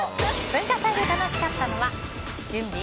文化祭で楽しかったのは準備？